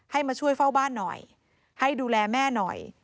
มาช่วยเฝ้าบ้านหน่อยให้ดูแลแม่หน่อย